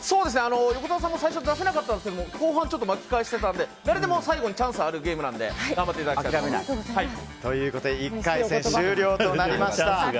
横澤さんも最初出せなかったんですけど後半ちょっと巻き返してたので誰でも最後にチャンスがあるゲームなのでということで１回戦終了となりました。